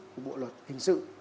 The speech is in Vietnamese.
của bộ luật hình sự